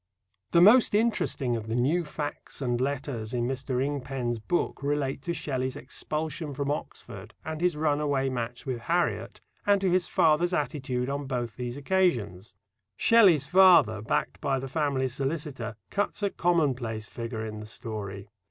The most interesting of the "new facts and letters" in Mr. Ingpen's book relate to Shelley's expulsion from Oxford and his runaway match with Harriet, and to his father's attitude on both these occasions. Shelley's father, backed by the family solicitor, cuts a commonplace figure in the story.